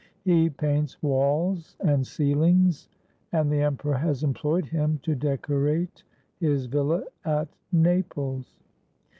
He paints walls and ceilings, and the emperor has employed him to decorate his villa at Naples.